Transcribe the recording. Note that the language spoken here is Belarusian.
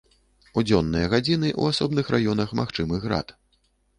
У дзённыя гадзіны ў асобных раёнах магчымы град.